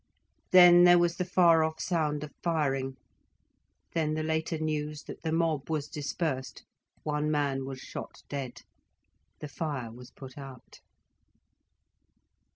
Then there was the far off sound of firing, then the later news that the mob was dispersed, one man was shot dead, the fire was put out.